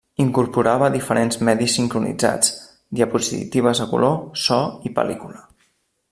Incorporava diferents medis sincronitzats: diapositives a color, so i pel·lícula.